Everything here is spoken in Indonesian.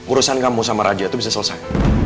urusan kamu sama raja itu bisa selesai